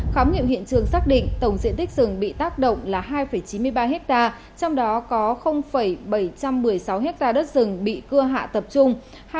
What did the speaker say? khám nghiệm hiện trường xác định tổng diện tích rừng bị tác động là hai chín mươi ba hectare trong đó có bảy trăm một mươi sáu ha đất rừng bị cưa hạ tập trung